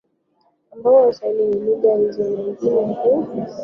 ambamo Kiswahili na lugha hizo nyingine hu